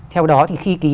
theo đó thì khi ký